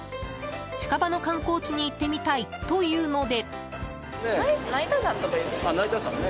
近場の観光地に行ってみたい！というので。